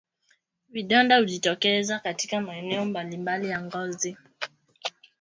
Vidonda hujitokeza katika maeneo mbalimbali ya ngozi